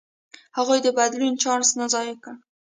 هغوی د بدلون چانس ضایع کړ.